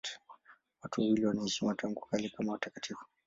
Wote wawili wanaheshimiwa tangu kale kama watakatifu.